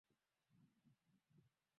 haki zao kama haki zao wanaanza kutishiwa